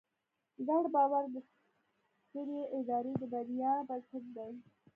ګډ باور د سترې ادارې د بریا بنسټ دی.